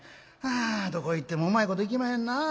あどこ行ってもうまいこといきまへんな。